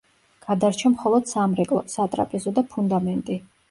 გადარჩა მხოლოდ სამრეკლო, სატრაპეზო და ფუნდამენტი.